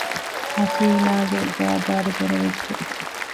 ހަސީނާގެ ގައިބާރު ދެރަވެއްޖެ